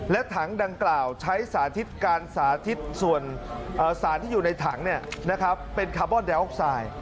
และถังดังกล่าวใช้สาธิตการสาธิตส่วนสารที่อยู่ในถังเป็นคาร์บอนไดออกไซด์